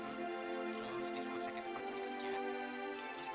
nong nong katanya butuh pekerjaan